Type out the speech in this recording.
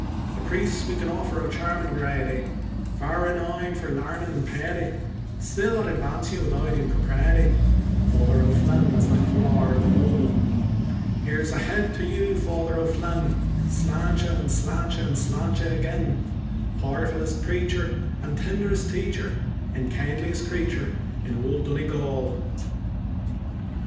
Of priests we can offer a charmin' variety, Far renowned for larnin' and piety, Still I'd advance you without impropriety, Father O'Flynn as the flower of them all. Here's a health to you, Father O'Flynn, Slainte, and slainte, and slainte agin. Powerfullest preacher, And tinderest teacher, And kindliest creature in Old Donegal. [Footnote 1: "Your health."